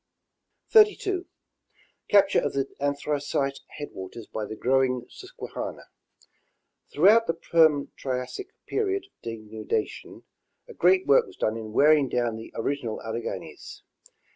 32. Capture of the Anthracite headwaters by the growing Sus quehanna. — Throughout the Perm Triassic period of denudation, a great work was done in wearing down the original Alleghanies.